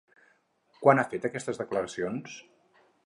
Quan ha fet aquestes declaracions?